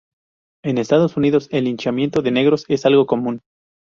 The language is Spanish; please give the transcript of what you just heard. En Estados Unidos el linchamiento de negros es algo común.